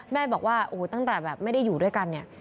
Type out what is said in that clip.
แม่บอกว่าโอ้โหตั้งแต่แบบไม่ได้อยู่ด้วยกันเนี่ย